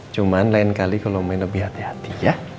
cuma lain kali kalau main lebih hati hati ya